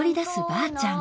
ばあちゃん。